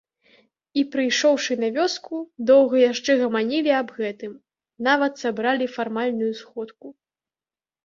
І, прыйшоўшы на вёску, доўга яшчэ гаманілі аб гэтым, нават сабралі фармальную сходку.